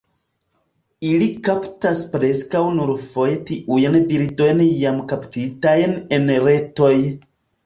Ili kaptas preskaŭ nur foje tiujn birdojn jam kaptitajn en retoj.